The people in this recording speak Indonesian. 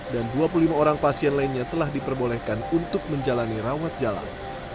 dan dua puluh lima orang pasien lainnya telah diperbolehkan untuk menjalani rawat jalan